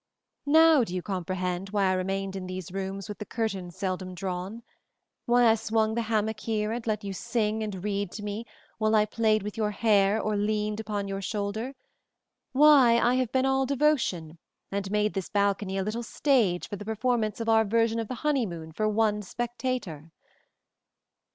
Now do you comprehend why I remained in these rooms with the curtains seldom drawn? Why I swung the hammock here and let you sing and read to me while I played with your hair or leaned upon your shoulder? Why I have been all devotion and made this balcony a little stage for the performance of our version of the honeymoon for one spectator?"